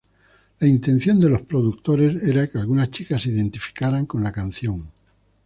La intención de los productores era que algunas chicas se identificaran con la canción.